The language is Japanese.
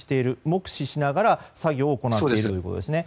目視しながら作業を行っているということですね。